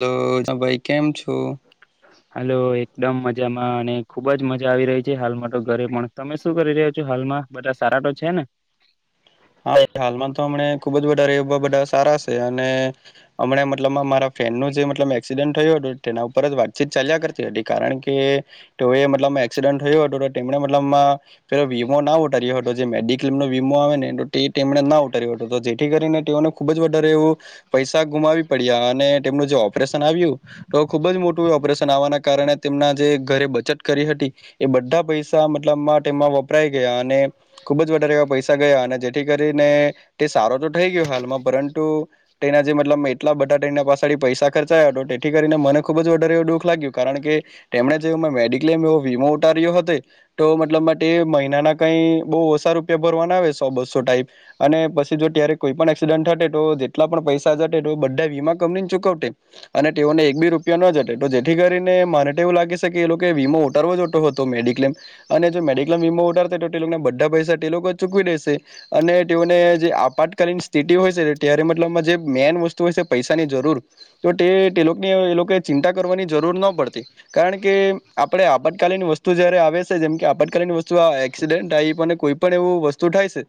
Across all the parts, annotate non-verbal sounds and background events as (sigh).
હલોભાઈ કેમ છો. હાલો એકદમ મજામાં અને ખુબ જ મજા આવી રહી છે હાલમાં તો ઘરે પણ તમે શું કરી રહ્યા છો હાલમાં બધા સારા. ટટાટો છે ને. (inaudible) હા હાલમાં તો હમને ખુબ જ બધા રવા બધા સારા છે અને હમણા મતલબ મારા. ટ્રેનનું જે મતલબ એક્સિડન્ટ થયું હતું તેના ઉપર જ વાતચીત ચાલ્યા કરતી હતી કારણ કે તે એ મતલબ. એક્સિડ થયો હતો તો તેમને મતલબ પે વીમો ના ઉતાર્યો હતો જે મેડિક્લેમ નો વીમો આવેને. તે તેમણે ના ઉતારી હતો જેથી કરીને તેઓને ખુબ જ વધારે એવું પૈસા ગુમાવી પડ્યા અને. જે ઓપરેશન આવ્યું તો ખુબ જ મોટું ઓપરેશન આવવાના કારણે તેમના જે ઘરે બચત કરી હતી. એ બધા પૈસા મતલબ માર્ટ એમાં વપરાય ગયા અને ખુબ જ વધારે એવા પૈસા ગયા અને. કરીને તે સારો તો થઈ ગયો હાલમાં પરંતુ તેના જે મતલબ એટલા બધા ટ પાછડી. પૈસા ખર્ચાયા હતો તેથી કરીને મને ખુબ જ વધારે એું દુઃખ લાગ્યું કારણ કે તેમણે જે મેડિક્લેમ એવું. મો ઉતાર્યો હતો તો મતલબ માટે મહિનાના કઈ બહ ઓછા રૂપિયા ભરવાના આવે સો બસો. ટ અને પછી જો ત્યારે કોઈ પણ એક્સિડન્ટ હટે તો જેટલા પણ પૈસા જટે તો બધા વીમા કંપની. અને તેઓને એક બી રૂપિયા ન જટે તો જેથી કરીને માને એવું લાગે છે કે લોકો વીમો ઉારવો. હતો મેડિક્લેમ અને જો મેડિક્લેમ વીમા ઉડારતા તો તેને બધા પૈસા તે લોકો ચૂકવી દેશે. અને તેઓને જે આપાતકાલીન સ્થિતિ હોય છે ત્યારે મતલબમાં જે મેન વસ્તુ હોય છે પૈસાની જરૂર. ચિંતા કરવાની જરૂર ન પડતી કારણ કે આપણે. આપત્કાલીન વસ્તુ જયારે આવે છે જેમ કે આપત્કાલીન વસ્તુ એક્સિડેન્ટ આવી પણ અને કોઈ પણ એવું વસ્તુ થાય છે.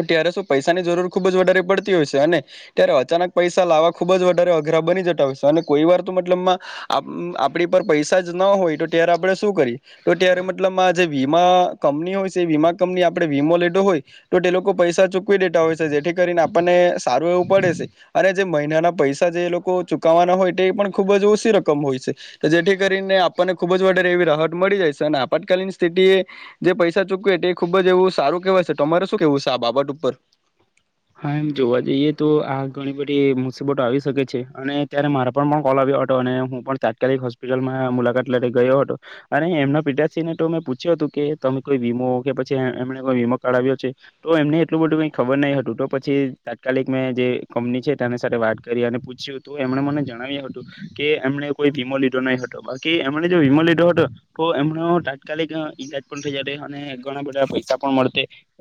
તટે્યારેસો પૈસાની જરૂર ખુબજ વધારે પડતી હોય છે, અને ત્યારે અચાનક પૈસા લાવવા ખુબ જ વધારે. અઘરા બની જતા, હો અને કોઈ વાર તો મતલબ આપણી પર પૈસા જ ન હોય, તો ત્યારે આપણે શું કરીએ, તો ત્યારે મતલબ આ જે વીમા કંપની હોય છે, એ વીમા કંપની આપડે વીમો લીધો હોય તો તે લોકો પૈસા ચૂકવી દેતા હોય છે, જેથી કરીને આપણને સારું એવું પડે છે, અને જે મહિનાના પૈસા લોકો ચુકવાના હોય, પણ ખુબજ ઓછી રકમ હોય છે, જેથી કરીને આપણને ખુબજ વારે એવી. ટ મળી જાય છે, આપતકાલીન સ્થિતિ એ જે પૈસા ચૂક એ ખુબજ એવું સારું કહેય છે, તમારે. શું કેવું છે, આ બાબટ ઉપર. હા, એમ જોવા જઈએ, તો આ ઘણી બધી મુસીબતો આવી શકે છે, અને ત્યારે મારે પણ પણ કોલ આવ્યો. અને હું, પણ તાત્કાલિક હોસ્પિટલમાં મુલાકાત લઈ ગયો હતો, અને એમના પિતાશિ ને તો મે પૂછ્યો હતો. કે તમે કોઈ વીમો કે પછી એમને કોઈ વીમો કાાવ્યો છે, તો એમને એટલું બધું કઈ ખબર નહી, હતું તો. પછી તાત્કાલિક મેં જે કંપની છે, તેની સાથે વાત કરી અને પૂછ્યું હતું, એમણે મને જણાવ્યું હતું. કે એમને કોઈ વીમો લીધો નહી, હતો બાકી એમણે જો વીમો લીધો હતો, તો એમનો તાત્કાલિક. જ, અને ઘણા બધા પૈસા, પણ મળ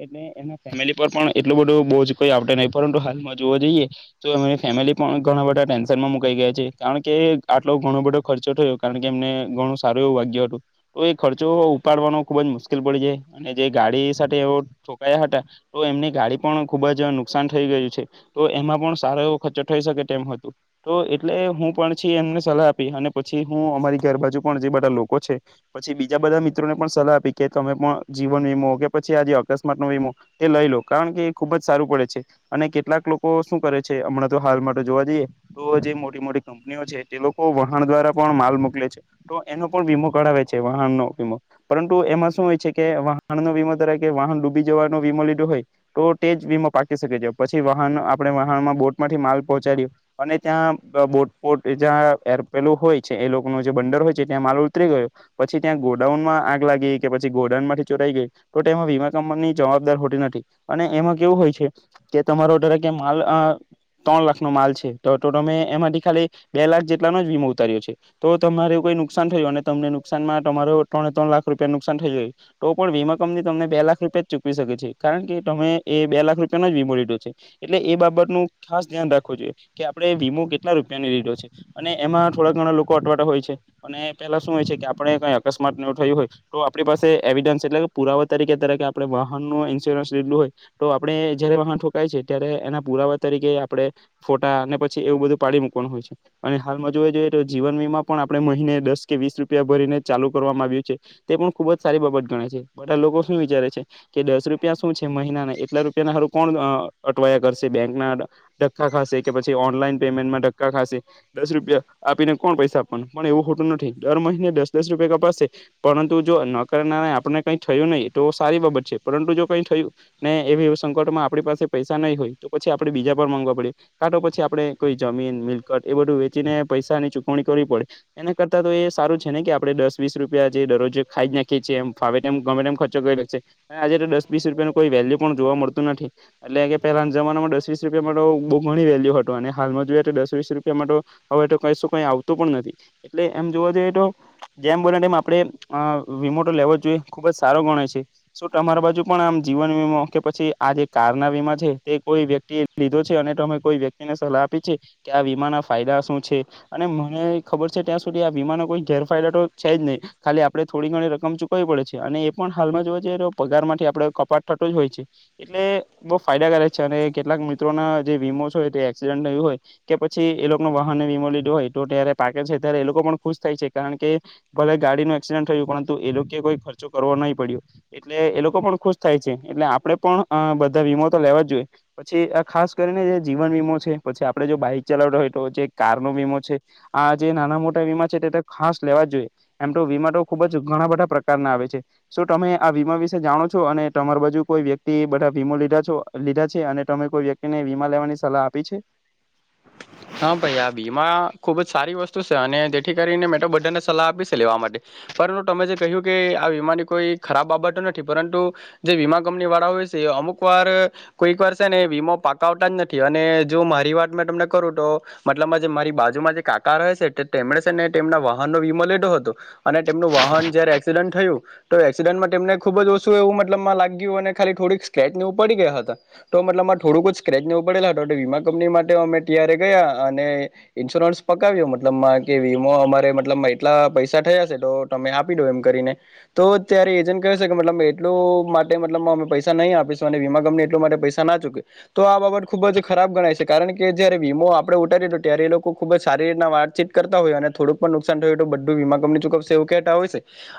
એટલે એ ફેમિલી પર પણ એટલું બધું બોજ. કોઈ આવડે નહીં, પરંતુ હાલમાં જોવ જઈએ તો એ ફેમિલી પણ ઘણા બધા ટેન્શનમાં મુકાઈ ગયા છે, કારણ કે. આટલો ઘણો બધો ખર્ચો થયો, કારણ કે એમને ઘણું સારું એવું વાગ્યો હતું, તો એ ખર્ચો ઉપાડવાનો. ખુબજ મુશ્કેલ પડી જાય, અને જે ગાડી સાથે એ છોકાયા હતા, તો એમની ગાડી પણ ખુબજ. નુકસાન થઈ ગયું છે, તો એમાં પણ સારો એવો ખર્ચો થઈ શકે તેમ હતું, તો એટલે હું પણ. પછી એમને સલાહ આપી અને પછી હું, અમારી ઘર બાજુ પણ જે બધા લોકો છે, પછી, બીજા બધા મિત્રો ને પણ. સલાહ આપી, કે તમે પણ જીવન વીમો કે પછી, આજે અકસ્માત નો વીમો એ લઈ, લો કારણ કે ખુબજ. સારું પડે છે, અને કેટલાક લોકો શું કરે છે, હમણાં, તો હાલ માટે જોવા જઈએ, તો જે મોટી મોટી કંપ છે, તે લોકો વહાણ દ્વારા પણ માલ મોકલે છે, તો એનો પણ વીમો કરાવે છે, વાહણનો વીમો પરંતુ એમાં શું હોય છે, કે વાહનનો વીમો તરા કે વાહન ડૂબી જવાનો વીમો લીધો હોય, તો વીમો પાકી શકે છે, પછી વાહન આપણે વાહનમાં બોટ માંથી, માલ પહોંચાડ્યું અને ત્યાં એપેલું હોય છે, એ લોકો ન જે બંડર હોય, છે, ત્યાં માલ ઉતરી ગયો પછી ત્યાં ગોડાઉન આગ લાગી કે પછી ગોડાન માંથી ચોરાઈ ગઈ, તો એમાં વીમા કંપની ની જવાબદાર હોતી નથી, અને એમાં કેવું હોય છે, કે તમારોરે કે માલ ત્રણ લાખ નો માલ છે, તો તમે એમાંથી ખાલી બે લાખ જેટલાનો વીમો ઉતાર્યો છે, તો તમારે કોઈ નુકસાન થયું, અને તમને નુકસાનમાં તમારો ત ત્રણ લાખ રૂપિયા નુકસાન થઈ, ગય તો પણ વીમા કંપની, તમને બે લાખ રૂપિયા જ ચૂકવી શકે છે, કારણ કે તમે એ બે લાખ રૂપિયાનો જ વીમો લીધો છે, એટલે એ બાબતનુ ખાસ ધ્યાન રાખવ જોઈએ, કે આપડે વીમો કેટલા રૂ લીધ છે, અને એમાં થોડા ઘણા લોકો અટવાડ હોય છે, અને પેલા શું હોય છે, કે આપણે કઈ અકસ્માત થયું હોય, તો આપણી પાસે એવિડસ એટલે પુરાવા તરીકે તકે આપણે વાહન ન ઇન્સ્યોરન્સ લીધલું હોય. તો આપડે જયારે વાહન ઠોકાય છે, ત્યારે એના પુરાવા તરીકે આપડે ફોટા અને પછી એવું બધું પાડી મૂક અને હાલમાં જો જોઈએ, તો જીવન વીમા પણ આપણે મહિને દસ, કે વીસ રૂપિયા ભરીને ચાલુ કરવામાં આવી. તે પણ ખુબજ સારી બાબત ગ છે, બધા લોકો શું વિચારે છે, કે દસ રૂપિયા શું છે મહિના એટલા રૂપિયાના હું, કોણ અટવાયા કરશે બેંક ના ધક્કા ખાશે કે પછી, ઓનલાઈન પેમેન્ટમાં ધક્કા દસ રૂપિયા, આપીને કોણ પૈસા આપવાનું પણ એવું ખોટું નથી, દર મહિને દસ દસ રૂપિયા કપાશે પરંતુ જો, ન કરના આપને કઈ થયું, નહીિ તો સારી બાબત છે પરંતુ જો કઈ થયું ને એવી સંકટમાં આપણી પાસે પૈસા નહીં, હોય, તો પછી આપડે બીજા પર માગવા પડે કાંટો પછી આપડે કોઈ, જમીન મલકટ એ બધું વેચીને પૈસાની ચુકવણી કરવી પડે એના કરતા તો એ સારું છેને, કે આપડણે દસ વીસ રૂપિયા દરરોજ ખાઈ જ નાખી છી, એમ ફાવે ગમેમ ખર્ચો કરીશે આજે, તો દસ રૂપિયા નું કોઈ વેલ્યુ જોવા મળતું નથી, એટલે પેલાના જમાનામાં દસવીસ રૂપિયા માટે બહ ઘણી વેલ્યુ હતું, અને હાલમાં જો દસ વીસ રૂપિયા હવે, કશ કઈ આવતો પણ નથી એટલે એમ જોવા જઈએ, તો જેમ બો આપડણે વીમો તો લેવો જોઈએ, ખુબજ સારો ગણે છે, શું તમારા બાજુ પણ આમ જીવન વીમો કે પછી આ જે કાર ના વીમા છે, તે કોઈ વ્યક્તિ એ લીધો છે, અને અમે કોઈ વ્યક્તિ ને સલાહ આપી છે. આ વીમાના ફાયદા શું છે, અને મને ખબર છે, ત્યાં સુધી આ વીમાનો કોઈ ગેરફાયદા તો છેજ, નહીં. ખાલી આપડણે થોડી ઘણી રકમ ચૂકવવી પડે છે, અને એ પણ હાલમાં જોવા જએ પગાર થી આપે કપાટ થટ જ હોય છે. એટલે બહ ફાયદાકારક છે, અને કેટલાક મિત્રોના જે વીમો હોય તે એક્સિડન્ટું હોય, કે પછી. પછી એ લોકો ન વાહનને વીમો લીધો હોય, તો ત્યારે પાકે છે, ત્યારે એ લોકો પણ ખુશ થાય છે, કારણ કે ભલે ગાડીનો ડ થયું પરંતુ એ લોકો કોઈ ખર્ચો કરવો નહીં, પડ્યો એટલે એ લોકો પણ ખુશ થાય છે, એટલે આપ પણ બધા વીમો તો લેવા જ જોઈએ, પછી ખાસ કરીને જે જીવન વીમો છે, પછી આપડે જો બાઈક ચલાવ કાર ન વીમો છે આ જે નાના મોટા વીમા છે તે ખાસ લેવા જ જોઈએ એમ તો વમા ખુબ જ ઘણા બધા પ્રકાર ના આવે છે તો તમે આ વીમા વિશે જાણો છો અને તમાર બાજુ કોઈ વ્યક્તિ બધા વીમો લીધા છ લીધા છે અને તમે કોઈ વ્યક્તિને વીમા લેવાની સલાહ આપી છે (inaudible) હા ભાઈ આ ભીમા ખુબ જ સારી વસ્તુ છે અને તેથી કરીને મેટો બાને સલાહ આપી છે લેવા માટે પરંતુ તમે જે કહ્યું કે આ વીમાની કોઈ ખરાબ બાબત નથી પરંતુ જે વીમા કંપની વાળા હોય અમુક વાર કોઈક વાર છે ને વીમો પાક આવતા જ નથી અને જો મારી વાત મે તમને કરું તો મતલબ જે મારી બાજુમાં જે કાકા રહે છે તેમણે છે ને તેમના વાહનનોો વીમો લીધો હતો અને તેમનું વાહન જયારે એક્સિડન્ટ થયું તો એક્સિડન્ટમાં તેમને ખુબ જ ઓછું એવું મતલબમાં લાગ્યું અને ખાલી થોડીક સ્ક્રેચવ ઉપ પડી ગયા હતા તો મતલબમાં થોડુંક જ સ્ક્રેચ નેવું પડેલા વીમા કંપની માટેમે ્યારે ગયા અને ઇન્સ્યોરન્સ પકાવ્યો મતલબમાં કે વીમો અમારે મતલબ એટલા પૈસા થયા તો તમે આપી દો એમ કરીને તો ત્યારે એજ કહે છે કે મતલબ એટલ માટે મતલબમે પૈસા નહી આપીશ અને વીમા કંપની એટલા માટે પૈસા ના ચૂકે તો આ બાબત ખુબ જ ખરાબ ગણાય છે કારણ કે જયારે વીમો આપણે ઉતારી તો ત્યારે એ લોકો ખુબ સારી રતના વાતચીત કરતા હોય અને થોડું પણ નુકસાન થયુંય તો બધું વીમા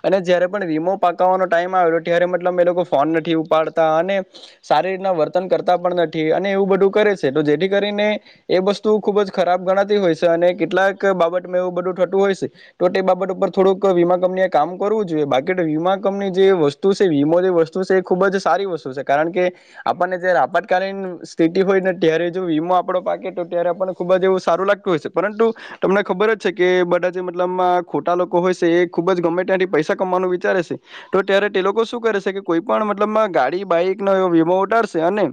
હોય જય વીમો પાવા ટ ત મત લોકો ફોન ઉપાડતા અને સારી રીતના વર્તન કરતા પણ નથી અને એવું બધું કરે છે તો જેથી કરીને એ વસ્તુ ખુબ જ ખરાબ ગણાતી હોય છે અને કેટલાક બાબત મે એવું બધું થતું હોય છે તો તે બાબત ઉપર થોડુંક વીમા કંપનીએ કામ કરવું જોઈએ બાકી વીમા કંપની જે વસ્તુ છે વીમો જે વસ્તુ છે એ ખૂબ જ સારી વસ્તુ છે કારણ કે આપણને જારે આપતકાલીન સ્થિતિ હોય ને ત્યારે જો વીમો ડો પાકે તો ત્યારે આપણને ખુબ જ એવું સારું લાગતું હોય છે પરંતુ તમને ખબર જ છે કે બધા જે મતલબમાં ખોટા લોકો હોય છે એ ખુબ જ ગમે ત્યાંથી પૈસા કમવાનું વિચારે છે તો ત્યારે તે લોકો શું કરે છે કે કોઈ પણ મતલબ ગાડી બાઈક ન એ વીમો ઉટાશે અને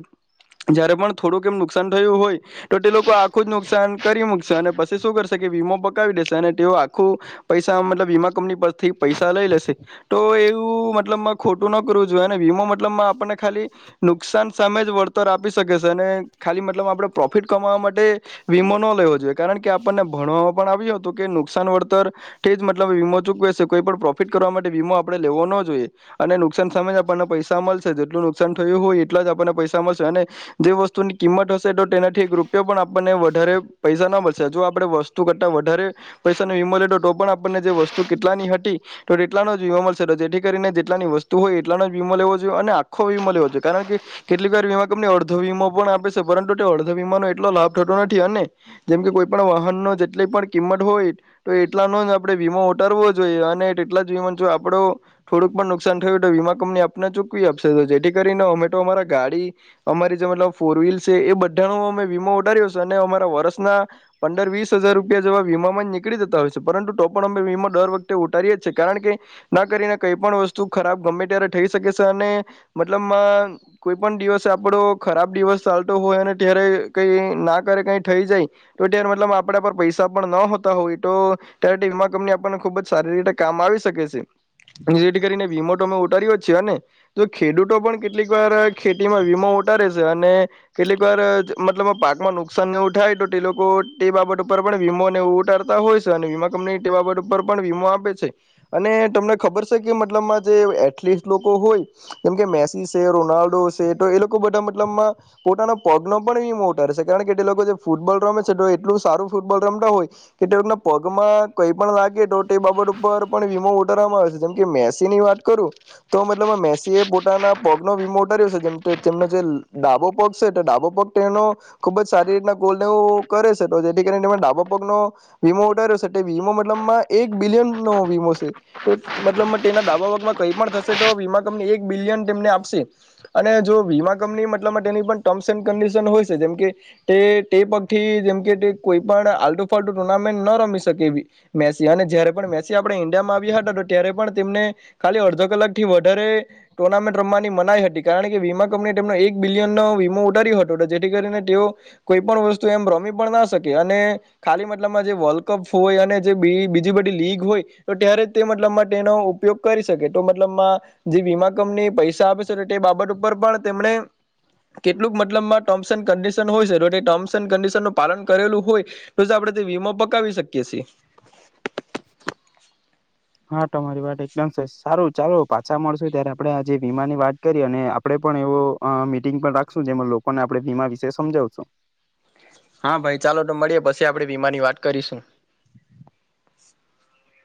જયારે પણ થોડુંક કેમ નુકસાન થયું હોય તો તે લોકો આખું જ નુકસાન કરી મૂકશે અને પછી શું કરશે કે વીમો પકાવી દેશે અને તેઓ આખું પૈસા મતલબ વીમા કંપની પરથી પૈસા લઈ લેશે તો એવું મતલબ ખોટું ન કરવું જોઈએને વીમો મતલબમાં આપણને ખાલી નુકસાન સામે જ વળતર આપી શકે છે અને ખાલી મતલબ આપડે પ્રોફિટ કમાવા માટે વીમો ન લેવો જોઈએ કારણ કે આપણને ભણવામાં પણ આવ્યું હતું કે નુકસાન વળતર ઠ જ મતલબ વીમો ચૂકવે છે કોઈ પણ પ્રોફિટ કરવા માટે વીમો આપણે લેવો ન જોઈએ અને નુકસાન સામે જ આપ પૈસા મળશે જેટલું નુકસાન થયું હોય એટલા જ આપણને પૈસા મળશે અને જે વસ્તુની કિંમત હશે એનાથી એક રૂપિયા પણ આપણને વધારે પૈસા ના મળશે જો આપે વસ્તુ કરતા વધારે પૈસાનુંમ તો પણ આપણને જે વસ્તુ કેટલાની હતી તોટલાનો જ જોવા મળશે તો જેથી કરીને જેટલાની વસ્તુ હોય એટલાનો જ વીમાો લેવો જોઈએ અને આખો વીમો લેવો જોએ કારણ કેટલીક વાર વીમા કંપની અર્ધ વીમો પણ આપે છે પરંતુ અર્ધ વીમા ન એટલો લાભ થતો નથી અને જેમ કે કોઈ પણ વાહન ન જેટલી પણ કિંમત હોય તો એટલાનોડણે વીમો ઉતારવો જોઈએ અને એટલા જ વીમા જો આપડો થોડુંક પણ નુકસાન થયું તો વીમા પ આપ ચૂક આપશે તો જેથી કરીને અમે તો અમારા ગાડી અમારી જે મતલબ ફોર વ્હીલ છે એ બ અાણ અમે વીમાો ઉડાર્યો છે અને અમારા વર્ષના પંદર વીસ હજાર રૂપિયા જેવા વીમા માં જ નીકળી જેતા હોય છે પરંતુ ટપ અ દર વખતે ઉતારીએ જ છે કારણ કે ના કરીને કઈ પણ વસ્તુ ખરાબ ગમે ત્યારે થઈ શકે છે અને મતલબ કોઈ પણ દિવસ આપડો ખરાબ દિવસ ચાલતો હોય અને ત્યારે કઈ ના કરે કઈ થઈ જાય તો ત્યારે મતલબ આપડા પર પૈસા પણ ન હોતા હોય તો ત્યારે વીમા કંપની આપણને ખુબ જ સારી રીતે કામ આવી શકે છે જેથી કરીને વીમો તો અમે ઉતારી્યો જ છે અનેને તો ખેડૂતો પણ કેટલીક વાર ખેતીમાં વીમો ટ છે અને કેટ ગર મતલબ પાકમાં નુકસાન ન ઉ થાય તો તે લોકો તે બાબત ઉપર પણ વીમો ને એવું ઉતારતા હોય વીમા કંપની ઉપર વીમો આપે છે અને તમને ખબર છે કે મતલબમાં જે હોય જેમ કે મેસી છે રોનાલ્ડો છે તો એ લોકો બધા મતલબમાં પોતાના પગનો પણ એ મોટો રહેશે કારણ કે તે લોકો જે ફૂટબોલ રમે છે તો એટલું સારું ફૂટબોલ રમતા હોય કે તેના પગમાં કઈ પણ લાગે તો તે બાબત ઉપર પણ વીમો ઉતારવામાં આવે છે જેમ કે મેસી ની વાત કરું તો મતલબ મેસી એ પોતાના પગનો વીમો ઉતાર્યો છે જેમ તેમનો જે ડાબો પગ છે ડાબો પગ તે ખુબ જ સારી રીતના ગોલેવું કરે છે જેથી કરીને ડાબો પગનો ્યો વીમો એક બિલિયન નો વીમો છે મતલબ તેના ડાબા વમાં ક થશે તો વીમા કંપની એક બિલિયનને આપશે અને જો વીમા કંપની મતલબ તેની પણ ટર્મ્સ એન્ડ કંડીશન હોય સકે જેમ તે પગથી જેમકે કોઈ પણ આલટુ ફાલતુ ટુર્નામેટ ન રમી સકે મેસી અને જયારે પણ મેસી આપડે ઈન્ડિયામાં આવ્યા હતા ત્યારે પણ તેમને ખાલી અડધો કલાક થી વધારે ટુર્નામેન્ટ રમવાની મનાઈ હતી કારણ કે વીમા કંપની તેમનો એક બિલિયનનો ને ઉતારી હતો જેથી કરીને તેઓ કોઈ પણ વસ્તુ એમ રમી પણ ના શકે અને ખાલી મતલબમાં જે વર્લ્ડ કપ હોય અને જે બે બીજુ બધું ટ્રિગ હોય તો ત્યારે તે મતલબ તેનો ઉપયોગ કરી શકે તો મતલબમાં જે વીમા કંપની પૈસા હિસાબ છે તે બાબત ઉપર પણ તેમણે કેટલુંક મતલબમાં ટર્મસ એન્ડ કનડીશન હોય છે તો તે ટર્મ્સ એન્ડ કનડીશન નું પાલન કરેલું હોય તો જ આપડે વીમો પકાવી શકીએ છે. હા તમારી વાત એકદમ છે સારું ચાલો પાછા મળસુ ત્યારે આપડે આજે વીમાની વાત કરયે અને આપડે પણ એ તો મીટિંગ પણ રાખશું જેમાં લોકોને આપણે વીમા વિશે સમજાવશું. (inaudible) હા ભાઈ ચાલો તો મળીએ પછી આપણેે વીમા ની વાત કરીશું.